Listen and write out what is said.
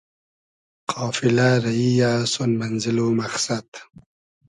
قافیلۂ ریی یۂ سون مئنزېل و مئخسئد